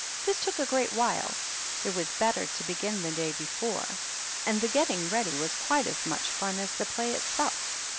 This took a great while ; it was better to begin the day before; and the getting ready was quite as much fun as the play itself.